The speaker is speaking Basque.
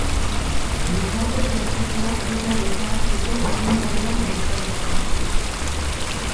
Gizarte-prozesua ez da desagertuko agintari bat desagertzeagatik.